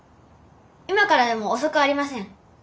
今からでも遅くありません。